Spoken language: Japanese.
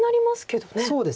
そうですね。